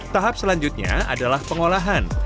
tahap selanjutnya adalah pengolahan